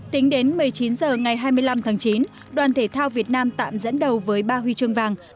tính đến một mươi chín h ngày hai mươi năm tháng chín đoàn thể thao việt nam tạm dẫn đầu với ba huy chương vàng